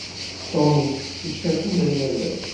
Tom itett ccakula yal ass.